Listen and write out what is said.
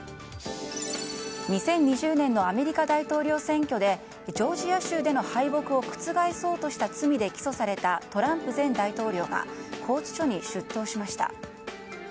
２０２０年のアメリカ大統領選挙でジョージア州での敗北を覆そうとした罪で起訴されたトランプ前大統領が拘置所に出頭しました。